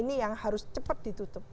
ini yang harus cepat ditutup